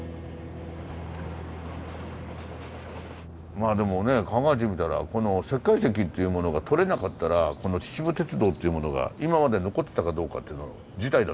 まあでもね考えてみたらこの石灰石っていうものが採れなかったらこの秩父鉄道っていうものが今まで残ってたかどうかっていうの自体だって分からないですから。